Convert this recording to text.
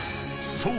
［そう。